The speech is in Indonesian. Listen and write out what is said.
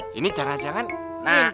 hey mulai bangun banget pak